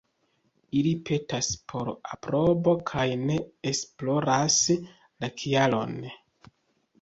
Ili petas por aprobo kaj ne esploras la kialon.